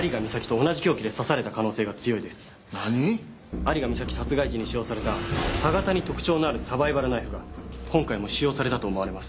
有賀美咲殺害時に使用された刃型に特徴のあるサバイバルナイフが今回も使用されたと思われます。